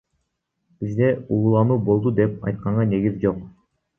Бизде уулануу болду деп айтканга негиз жок.